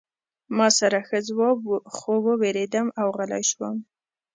ما سره ښه ځواب و خو ووېرېدم او غلی شوم